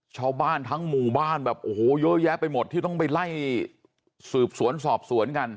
ชาวบ้านทั้งหมู่บ้านแบบโอ้โหเยอะแยะไปหมดที่ต้องไปไล่สืบสวนสอบสวนกัน